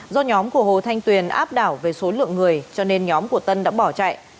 do nhóm của hồ thanh tuyền áp đảo về số lượng người cho nên nhóm của tân đã bỏ chạy